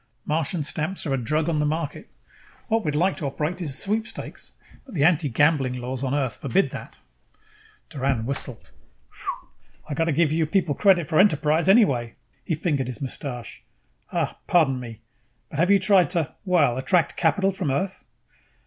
Martian stamps are a drug on the market. What we'd like to operate is a sweepstakes, but the anti gambling laws on Earth forbid that." Doran whistled. "I got to give your people credit for enterprise, anyway!" He fingered his mustache. "Uh, pardon me, but have you tried to, well, attract capital from Earth?"